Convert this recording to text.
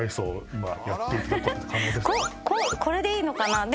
これでいいのかな。